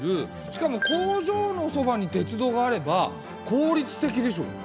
しかも工場のそばに鉄道があれば効率的でしょ。